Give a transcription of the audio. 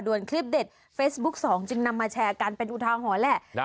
ส่วนคลิปเด็ดเฟซบุ๊คสองจึงนำมาแชร์กันเป็นอุทาหรณ์แหละ